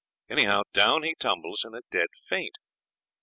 Anyhow, down he tumbles in a dead faint.